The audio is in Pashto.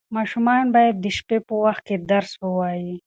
ماشومان باید د شپې په وخت کې درس ووایي.